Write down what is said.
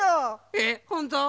えっほんとう！